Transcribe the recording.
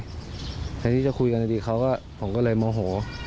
แต่ครั้งนี้จะคุยกันดีเขาก็โมโหน